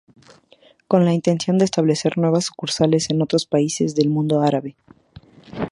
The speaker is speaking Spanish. Con la intención de establecer nuevas sucursales en otros países del mundo árabe.